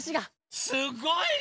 すごいね。